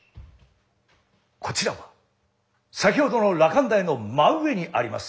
こちらは先ほどの羅漢台の真上にあります